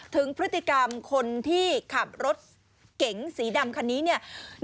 ถึงพฤติกรรมคนที่ขับรถเก๋งสีดำคันนี้เนี่ย